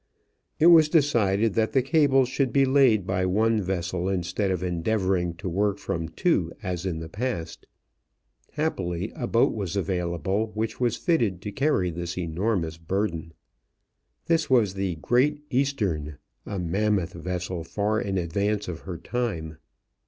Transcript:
It was decided that the cable should, be laid by one vessel, instead of endeavoring to work from two as in the past. Happily, a boat was available which was fitted to carry this enormous burden. This was the Great Eastern, a mammoth vessel far in advance of her time.